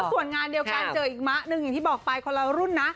ส่วนงานเดียวกันเจออีกมะหนึ่งอย่างที่บอกไปคนละรุ่นนะ